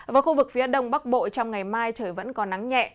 và khu vực phía đông bắc bộ trong ngày mai trời vẫn có nắng nhẹ